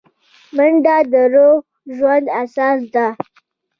منډه د روغ ژوند اساس ده